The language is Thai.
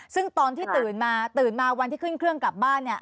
ซึ่งตอนที่ตื่นมาตื่นมาวันที่ขึ้นเครื่องกลับบ้านเนี่ย